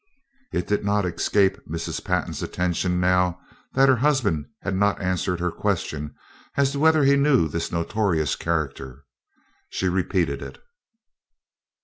It did not escape Mrs. Pantin's attention now that her husband had not answered her question as to whether he knew this notorious character. She repeated it.